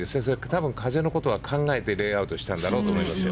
多分、風のことは考えてレイアウトしたんだろうと。